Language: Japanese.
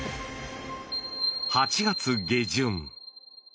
８月下旬。